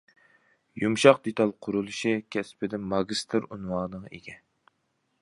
«يۇمشاق دېتال قۇرۇلۇشى» كەسپىدە ماگىستىر ئۇنۋانىغا ئىگە.